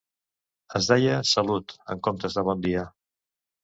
Es deia «Salut!» en comptes de «Bon dia»